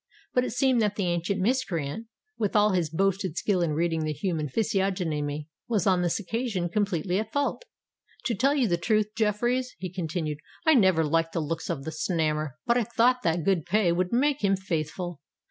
But it seemed that the ancient miscreant, with all his boasted skill in reading the human physiognomy, was on this occasion completely at fault. "To tell you the truth, Jeffreys," he continued, "I never liked the looks of the Snammer: but I thought that good pay would make him faithful.